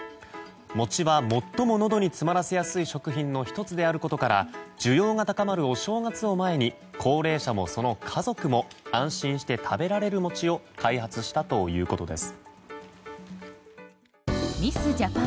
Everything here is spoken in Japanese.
餅は、最ものどに詰まらせやすい食品の１つであることから需要が高まるお正月を前に高齢者もその家族も安心して食べられる餅を開発したということです。